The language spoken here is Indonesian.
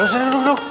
lu sedang duduk duduk